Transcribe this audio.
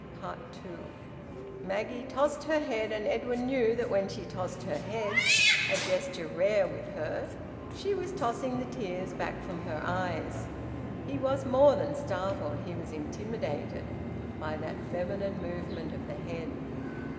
TWO. Maggie tossed her head, and Edwin knew that when she tossed her head a gesture rare with her she was tossing the tears back from her eyes. He was more than startled, he was intimidated, by that feminine movement of the head.